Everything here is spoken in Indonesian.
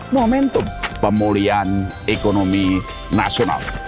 momentum pemulihan ekonomi nasional